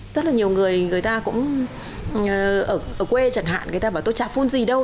rất là nhiều người người ta cũng ở quê chẳng hạn người ta bảo tôi chả phun gì đâu